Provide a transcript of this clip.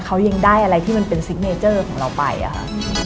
เขายังได้อะไรที่มันเป็นซิกเนเจอร์ของเราไปอะค่ะ